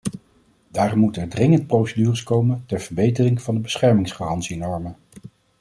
Daarom moeten er dringend procedures komen ter verbetering van de beschermingsgarantienormen.